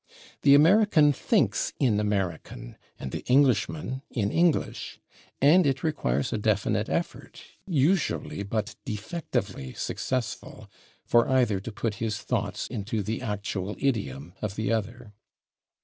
The American thinks in American and the Englishman in English, and it requires a definite effort, usually but defectively successful, for either to put his thoughts into the actual idiom of the other.